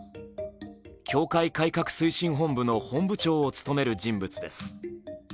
教会改革推進本部の本部長を務める人物です。